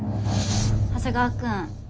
長谷川君。